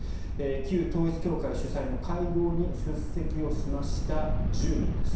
旧統一教会主催の会合に出席しました、１０人です。